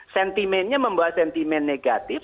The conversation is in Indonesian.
sentimennya membawa sentimen negatif